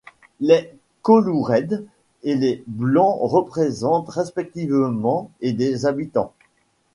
Les coloureds et les blancs représentent respectivement et des habitants.